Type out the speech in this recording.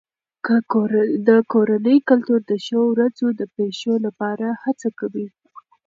د کورنۍ کلتور د ښو ورځو د پیښو لپاره هڅه کوي.